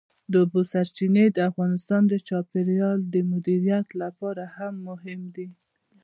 د اوبو سرچینې د افغانستان د چاپیریال د مدیریت لپاره مهم دي.